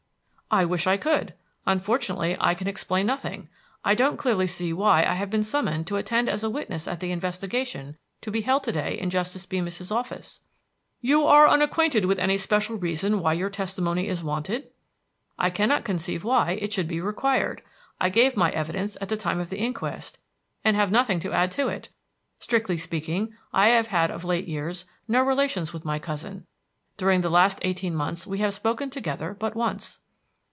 "I wish I could. Unfortunately, I can explain nothing. I don't clearly see why I have been summoned to attend as a witness at the investigation to be held to day in Justice Beemis's office." "You are unacquainted with any special reason why your testimony is wanted?" "I cannot conceive why it should be required. I gave my evidence at the time of the inquest, and have nothing to add to it. Strictly speaking, I have had of late years no relations with my cousin. During the last eighteen months we have spoken together but once."